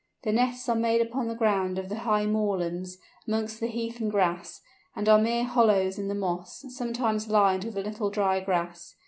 The nests are made upon the ground of the high moorlands, amongst the heath and grass, and are mere hollows in the moss, sometimes lined with a little dry grass.